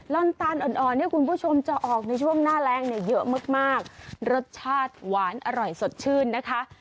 อนตาลอ่อนเนี่ยคุณผู้ชมจะออกในช่วงหน้าแรงเนี่ยเยอะมากรสชาติหวานอร่อยสดชื่นนะคะ